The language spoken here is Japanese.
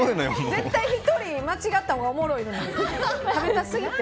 絶対１人間違ったほうがおもろいのに、食べた過ぎて。